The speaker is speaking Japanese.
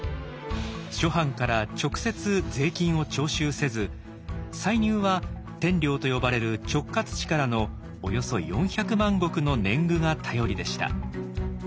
諸藩から直接税金を徴収せず歳入は天領と呼ばれる直轄地からのおよそ４百万石の年貢が頼りでした。